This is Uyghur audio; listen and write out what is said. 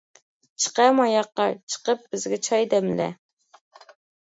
چىقە ماياققا. چىقىپ بىزگە چاي دەملە.